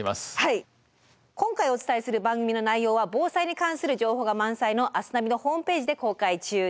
今回お伝えする番組の内容は防災に関する情報が満載の「明日ナビ」のホームページで公開中です。